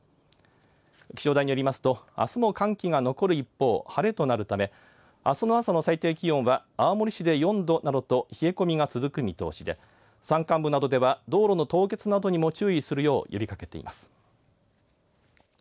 気象台によりますとあすも寒気が残る一方、晴れとなるためあすの朝の最低気温は青森市で４度などと冷え込みが続く見通しで山間部などでは道路の凍結にも注意するよう呼びかけています。